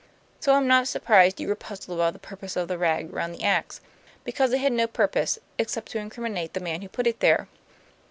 So I'm not surprised you were puzzled about the purpose of the rag round the ax, because it had no purpose, except to incriminate the man who put it there.